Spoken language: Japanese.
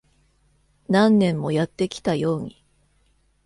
何年もやってきたように。